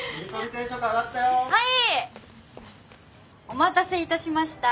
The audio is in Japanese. お待たせいたしました。